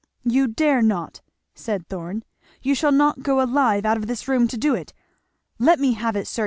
"You dare not!" said Thorn. "You shall not go alive out of this room to do it! Let me have it, sir!